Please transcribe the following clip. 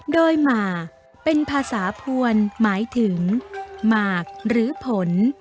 โดยหมากเป็นภาษาพวนหมายถึงหมากหรือผล